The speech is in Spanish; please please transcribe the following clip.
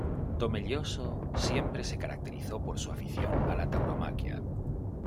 Tomelloso siempre se caracterizó por su afición a la tauromaquia.